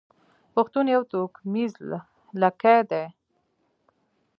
پښتون يو توکميز لږکي دی.